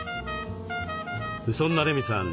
そんな麗美さん